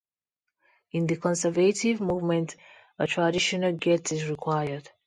In the Conservative movement a traditional get is required.